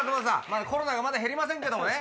まだコロナが減りませんけどもね